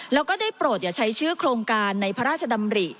แล้วก็ได้โปรดอย่าใช้ชื่อโครงการในพระราชดำริ